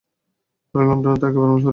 তারা লন্ডনে থাকে, ভার্মাস পরিবার।